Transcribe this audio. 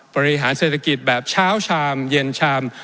บริหารเศรษฐกิจแบบเช้าชามเย็นชาม